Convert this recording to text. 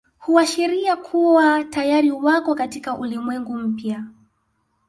Huashiria kuwa tayari wako katika ulimwengu mpya